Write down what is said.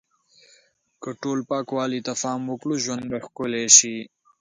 که ټول پاکوالی ته پام وکړو، ژوند به ښکلی شي.